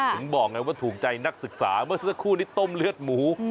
ถึงบอกไงว่าถูกใจนักศึกษาเมื่อสักครู่นี้ต้มเลือดหมู